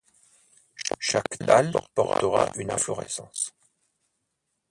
Chaque talle portera une inflorescence.